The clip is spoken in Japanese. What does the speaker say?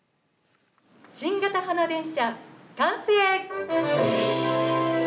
新型花電車、完成。